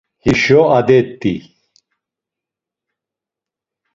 Hişo adet̆i!